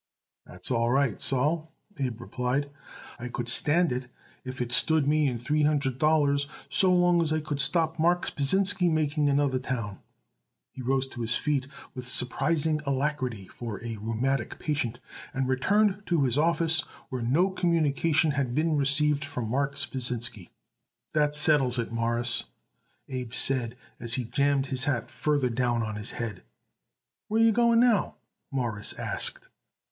"That's all right, Sol," Abe replied. "I could stand it if it stood me in three hundred dollars, so long as I could stop Marks Pasinsky making another town." He rose to his feet with surprising alacrity for a rheumatic patient, and returned to his office, where no communication had been received from Marks Pasinsky. "That settles it, Mawruss," Abe said as he jammed his hat farther down on his head. "Where are you going now?" Morris asked.